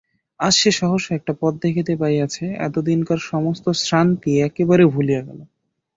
আজ সে সহসা একটা পথ দেখিতে পাইয়াছে, এতদিনকার সমস্ত শ্রান্তি একেবারে ভুলিয়া গেল।